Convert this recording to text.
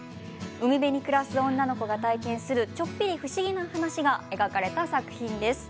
海辺に暮らす女の子が体験するちょっぴり不思議な話が描かれた作品です。